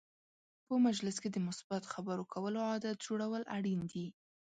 په مجلس کې د مثبت خبرو کولو عادت جوړول اړین دي.